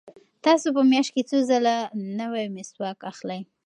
تاسو په میاشت کې څو ځله نوی مسواک اخلئ؟